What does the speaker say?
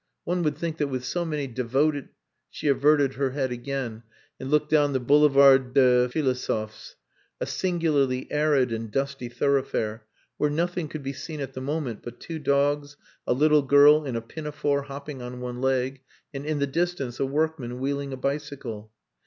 One would think that with so many devoted...." She averted her head again and looked down the Boulevard des Philosophes, a singularly arid and dusty thoroughfare, where nothing could be seen at the moment but two dogs, a little girl in a pinafore hopping on one leg, and in the distance a workman wheeling a bicycle.